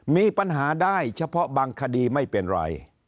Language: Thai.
มีปัญหาได้เฉพาะบางคดีไม่เป็นไร